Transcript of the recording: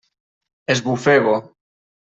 Esbufego.